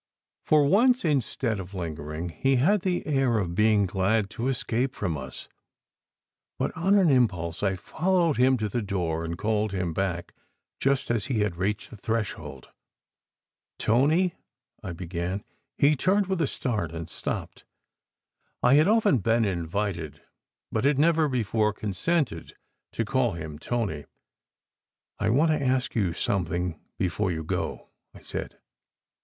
For once, instead of lingering, he had SECRET HISTORY 121 the air of being glad to escape from us, but on an impulse I followed him to the door and called him back just as he had reached the threshold. " Tony !" I began. He turned with a start, and stopped. I had often been invited, but had never before consented, to call him Tony. "I want to ask you something before you go," I said.